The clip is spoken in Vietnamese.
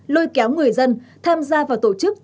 lôi kéo người dân tham gia vào tổ chức